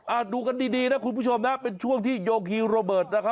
ดูกันดีดีนะคุณผู้ชมนะเป็นช่วงที่โยคีโรเบิร์ตนะคะ